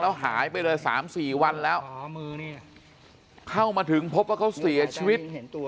แล้วหายไปเลย๓๔วันแล้วเข้ามาถึงพบว่าเขาเสียชีวิต